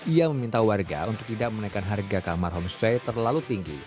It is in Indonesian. ia meminta warga untuk tidak menaikkan harga kamar homestay terlalu tinggi